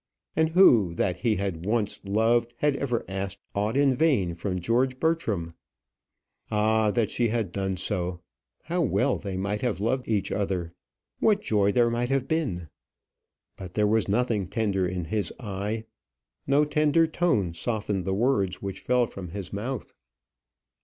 And who that he had once loved had ever asked aught in vain from George Bertram? Ah, that she had done so! How well they might have loved each other! What joy there might have been! But there was nothing tender in his eye, no tender tone softened the words which fell from his mouth.